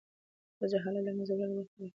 د جهالت له منځه وړل وخت غواړي.